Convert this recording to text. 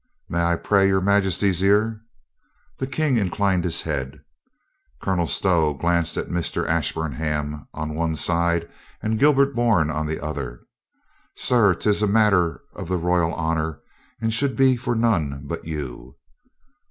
"May I pray your Majesty's ear?" The King inclined his head. Colonel Stow glanced at Mr. Ashburnham on one side and Gilbert Bourne on the other. "Sir, 'tis a matter of the royal honor and should be for none but you."